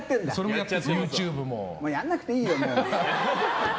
もうやんなくていいよ。